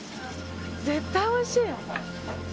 絶対おいしい。